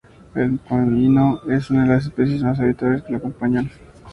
El comino es una de las especias más habituales que lo acompañan.